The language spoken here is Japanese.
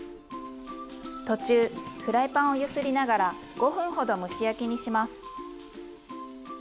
途中フライパンを揺すりながら５分ほど蒸し焼きにします。